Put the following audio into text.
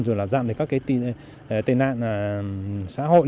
rồi là dặn được các cái tên nạn xã hội liên quan đến cái rượu bia xảy ra